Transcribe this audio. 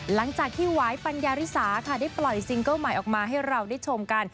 หลังจากที่หวายปัญญาริสาค่ะได้ปล่อยซิงเกิ้ลใหม่ออกมาให้เราได้ชมกัน